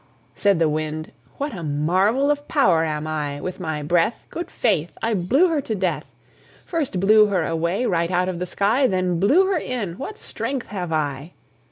Said the Wind: "What a marvel of power am I With my breath, Good faith! I blew her to death First blew her away right out of the sky Then blew her in; what strength have I!"